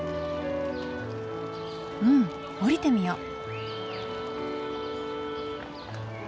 うん下りてみよう。